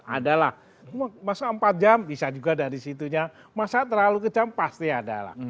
ada lah masa empat jam bisa juga dari situnya masa terlalu kejam pasti ada lah